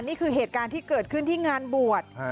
นี่คือเหตุการณ์ที่เกิดขึ้นที่งานบวช